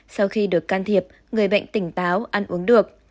sau khi được can thiệp người bệnh tỉnh táo ăn uống được